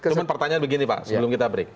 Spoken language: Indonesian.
cuma pertanyaan begini pak sebelum kita break